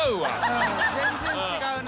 うん全然違うね。